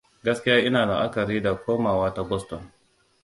Gaskiya ina la'akari da komawa ta Boston.